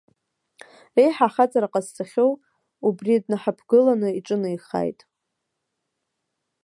Реиҳа ахаҵара ҟазҵахьоу, убри днаҳаԥгыланы иҿынеихааит.